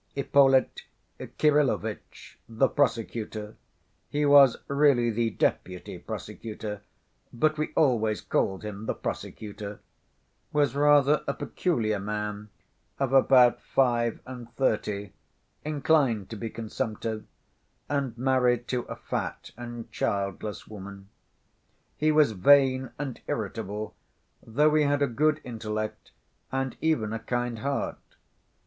Ippolit Kirillovitch, the prosecutor (he was really the deputy prosecutor, but we always called him the prosecutor), was rather a peculiar man, of about five and thirty, inclined to be consumptive, and married to a fat and childless woman. He was vain and irritable, though he had a good intellect, and even a kind heart.